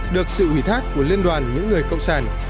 được sự ủy thác của liên đoàn những người cộng sản